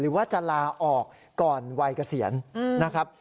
หรือว่าจะลาออกก่อนวัยเกษียณนะครับ